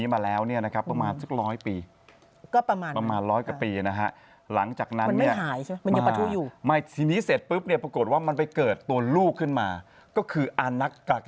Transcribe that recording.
ให้กลายเป็นภูเขาไฟลูกมัน